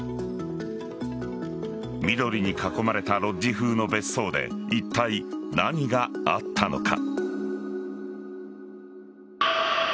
緑に囲まれたロッジ風の別荘でいったい何があったのか。